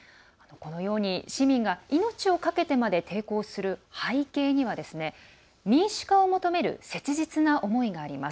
このように市民が命を懸けてまで抵抗する背景には、民主化を求める切実な思いがあります。